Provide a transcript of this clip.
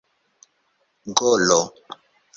golo